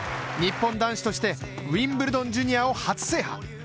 日本男子としてウィンブルドン・ジュニアを初制覇。